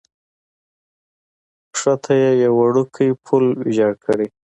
کښته یې یو وړوکی پل ویجاړ کړی.